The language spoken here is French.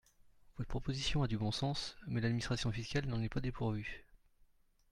Votre proposition a du bon sens mais l’administration fiscale n’en est pas dépourvue.